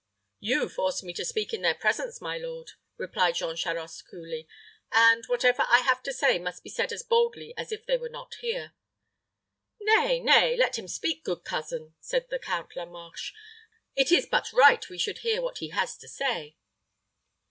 "You forced me to speak in their presence, my lord," replied Jean Charost, coolly; "and, whatever I have to say must be said as boldly as if they were not here." "Nay, nay; let him speak, good cousin," said the Count La Marche. "It is but right we should hear what he has to say."